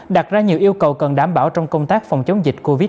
đặt ra nhiều yêu cầu cần đảm bảo trong công tác phòng chống dịch covid một mươi chín